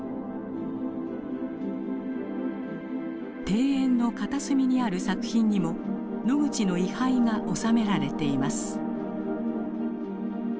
庭園の片隅にある作品にもノグチの遺灰が納められています。